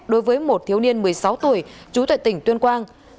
đối với một thiếu niên một mươi sáu tuổi trú tại tỉnh tuyên quang